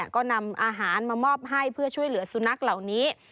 ก็นำอาหารมามอบให้เพื่อช่วยเหลือสุนัขเหล่านี้